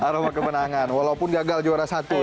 aroma kemenangan walaupun gagal juara satu